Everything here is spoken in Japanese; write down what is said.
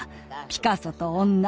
「ピカソと女」